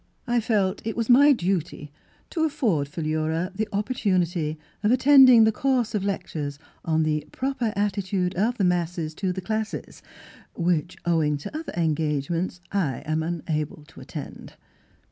I felt that it was my duty to afford Philura the oppor tunity of attending the course of lectures on the Proper Attitude of the Masses to the Classes, which, owing to other engage ments, I am unable to attend."